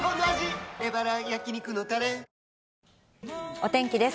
お天気です。